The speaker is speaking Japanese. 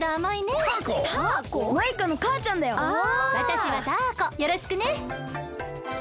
わたしはタアコよろしくね。